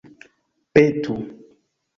petu